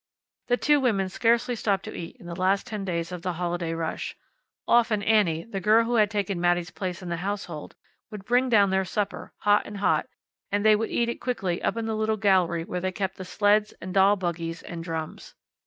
The two women scarcely stopped to eat in the last ten days of the holiday rush. Often Annie, the girl who had taken Mattie's place in the household, would bring down their supper, hot and hot, and they would eat it quickly up in the little gallery where they kept the sleds, and doll buggies, and drums.